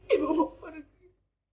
ibu mau pergi